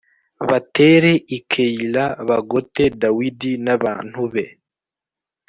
batere i Keyila bagote Dawidi n’abantu be.